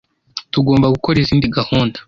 Tugomba gukora izindi gahunda.